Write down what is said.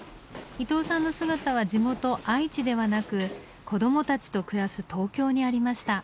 伊藤さんの姿は地元愛知ではなく子どもたちと暮らす東京にありました。